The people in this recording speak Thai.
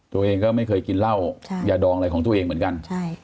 ตัวเองก็ไม่เคยกินเหล้ายาดองอะไรของตัวเองเหมือนกัน